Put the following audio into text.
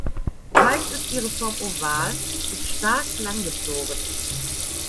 Meist ist ihre Form oval bis stark langgezogen.